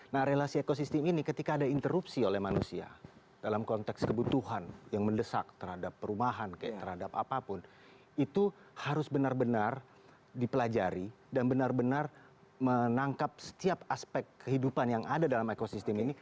nah relasi ekosistem ini ketika ada interupsi oleh manusia dalam konteks kebutuhan yang mendesak terhadap perumahan terhadap apapun itu harus benar benar dipelajari dan benar benar menangkap setiap aspek kehidupan yang ada dalam ekosistem ini